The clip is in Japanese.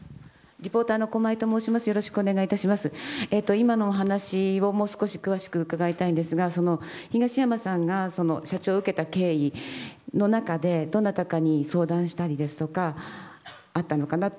今のお話をもう少し詳しく伺いたいんですが東山さんが社長を受けた経緯の中でどなたかに相談したりですとかあったのかなと。